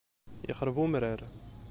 Yexṛeb umrar.